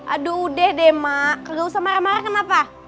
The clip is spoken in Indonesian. aduh udah deh mak gak usah marah marah kenapa